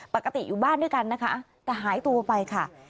ปกติอยู่บ้านด้วยกันนะคะแต่หายตัวไปค่ะ